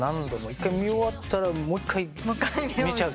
１回見終わったらもう１回見ちゃう。